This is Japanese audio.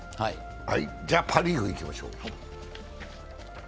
じゃあ、パ・リーグいきましょう。